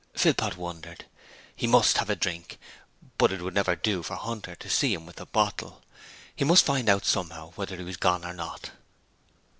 Philpot wondered. He MUST have a drink, but it would never do for Hunter to see him with the bottle: he must find out somehow whether he was gone or not.